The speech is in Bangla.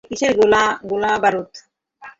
আরে কিসের গোলাবারুদ?